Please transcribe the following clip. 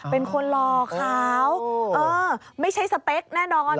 เป็นคนหล่อขาวเออไม่ใช่สเปคแน่นอน